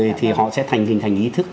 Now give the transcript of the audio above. giáo dục thì họ sẽ thành hình thành ý thức